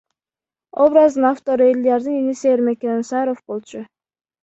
Образдын автору Элдиярдын иниси Эрмек Кененсаров болчу.